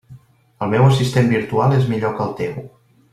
El meu assistent virtual és millor que el teu.